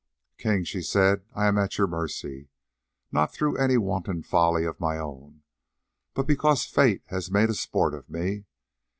"King," she said, "I am at your mercy, not through any wanton folly of my own, but because fate has made a sport of me.